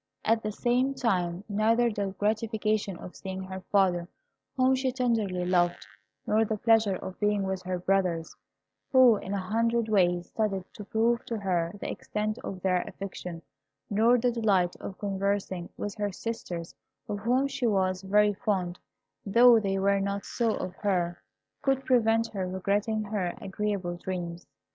At the same time, neither the gratification of seeing her father, whom she tenderly loved, nor the pleasure of being with her brothers, who in a hundred ways studied to prove to her the extent of their affection, nor the delight of conversing with her sisters, of whom she was very fond, though they were not so of her, could prevent her regretting her agreeable dreams.